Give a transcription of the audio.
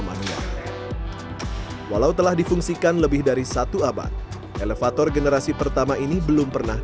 manual walau telah difungsikan lebih dari satu abad elevator generasi pertama ini belum pernah